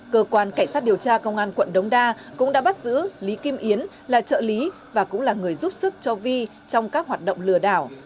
cơ quan cảnh sát điều tra công an quận đống đa cũng đã bắt giữ lý kim yến là trợ lý và cũng là người giúp sức cho vi trong các hoạt động lừa đảo